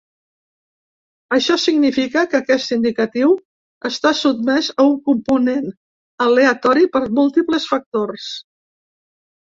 Això significa que aquest indicatiu està sotmès a un component aleatori per múltiples factors.